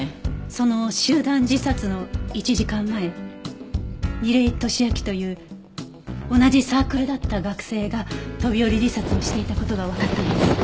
その集団自殺の１時間前楡井敏秋という同じサークルだった学生が飛び降り自殺をしていた事がわかったんです。